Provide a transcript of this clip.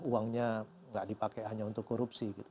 uangnya nggak dipakai hanya untuk korupsi gitu